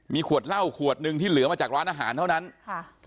มีขวดเหล้าขวดหนึ่งที่เหลือมาจากร้านอาหารเท่านั้นค่ะ